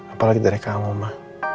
apalagi dari kamu ma